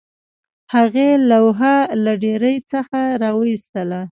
هغې لوحه له ډیرۍ څخه راویستله